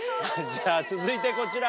じゃあ続いてこちら。